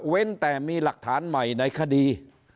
แต่มีหลักฐานใหม่ในคดี